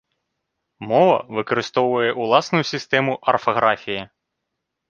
Мова выкарыстоўвае ўласную сістэму арфаграфіі.